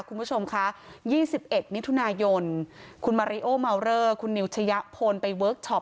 คุณผู้ชมคะ๒๑มิถุนายนคุณมาริโอเมาเลอร์คุณนิวชะยะพลไปเวิร์คชอป